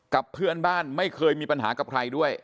กับเพื่อนบ้านไม่เคยมีปัญหากับใครด้วย